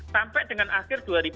sampai dengan akhir dua ribu dua puluh